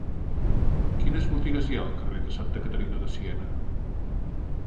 Quines botigues hi ha al carrer de Santa Caterina de Siena?